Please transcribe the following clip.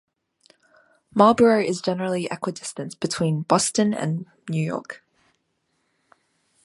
Marlborough is generally equidistant between Boston and New York.